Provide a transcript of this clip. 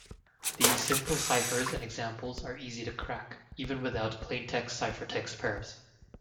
These simple ciphers and examples are easy to crack, even without plaintext-ciphertext pairs.